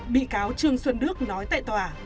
bị cáo trương xuân đức nói tại tòa